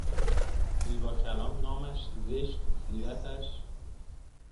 زیبا کلام نامش زشت سیرتش